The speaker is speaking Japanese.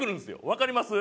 わかります？